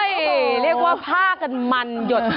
อียาฟ้ากันมันหยด